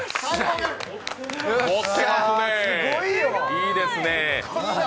いいですね。